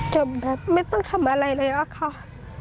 แบบไม่ต้องทำอะไรเลยอะค่ะ